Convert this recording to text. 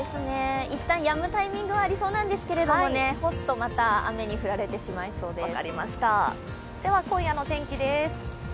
いったん、やむタイミングはありそうなんですけど干すとまた雨に降られてしまいそうです。